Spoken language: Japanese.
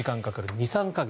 ２３か月。